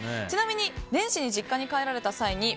ちなみに年始に実家に帰られた際ＰＯＲＩＮ